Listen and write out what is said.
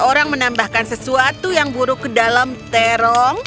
caraang memikirkan opah bentuk ini antara beliau utilhannya